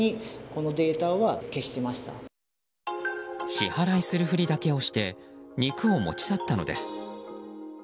支払いするふりだけをして肉を持ち去ったのです。